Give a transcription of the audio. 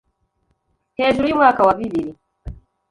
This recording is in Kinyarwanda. Hejuru y’umwaka wa bibiri